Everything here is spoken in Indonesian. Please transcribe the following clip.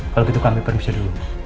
kalau gitu kami periksa dulu